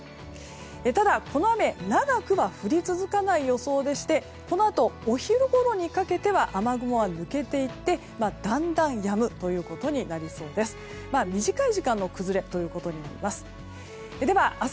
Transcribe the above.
ただ、この雨長くは降り続かない予想でしてこのあとお昼ごろにかけては雨雲は抜けていってだんだんやむことになりそうです。